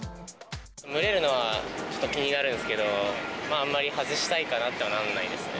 蒸れるのはちょっと気になるんですけど、あまり外したいかなとはなんないですね。